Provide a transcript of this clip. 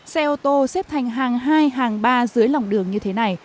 xe ô tô xếp thành hàng hai hàng ba dưới lòng đường như thế này